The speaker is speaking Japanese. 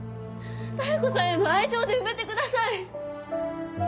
妙子さんへの愛情で埋めてください。